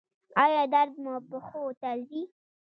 ایا درد مو پښو ته ځي؟